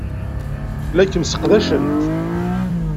La kem-sseqdacent.